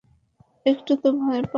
একটু তো ভয় পাও!